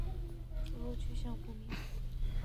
此后去向不明。